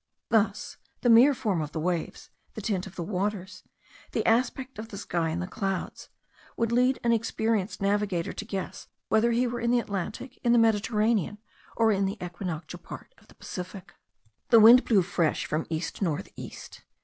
Thus, the mere form of the waves, the tint of the waters, the aspect of the sky and the clouds, would lead an experienced navigator to guess whether he were in the Atlantic, in the Mediterranean, or in the equinoctial part of the Pacific. The wind blew fresh from east north east.